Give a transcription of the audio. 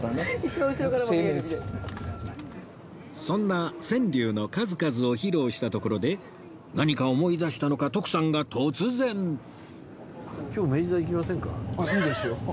そんな川柳の数々を披露したところで何か思い出したのか徳さんが突然いいですよ。